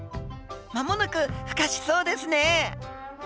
まもなく孵化しそうですね。